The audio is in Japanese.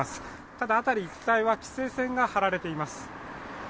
ただ辺り一帯は規制線が張られています